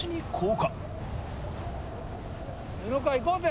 布川いこうぜ！